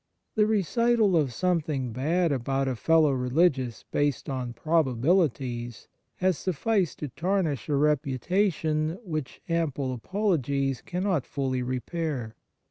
The recital of something bad about a fellow religious based on probabilities has sufficed to tarnish a reputation which ample apologies cannot fully repair.